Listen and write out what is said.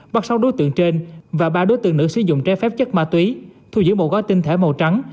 bắt sáu đối tượng trên và ba đối tượng nữ sử dụng trái phép chất ma túy thu giữ một gói tinh thể màu trắng